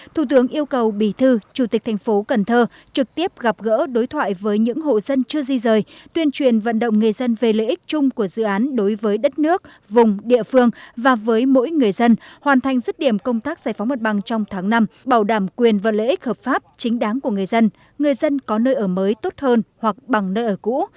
thủ tướng yêu cầu bì thư chủ tịch thành phố cần thơ trực tiếp gặp gỡ đối thoại với những hộ dân chưa di rời tuyên truyền vận động người dân về lợi ích chung của dự án đối với đất nước vùng địa phương và với mỗi người dân hoàn thành dứt điểm công tác giải phóng mặt bằng trong tháng năm bảo đảm quyền và lợi ích hợp pháp chính đáng của người dân người dân có nơi ở mới tốt hơn hoặc bằng nơi ở cũ